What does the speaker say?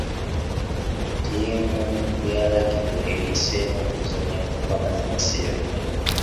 Ttiimu ya lagibe eyiseemu okuzannya mu mpaka z'ensi yonna.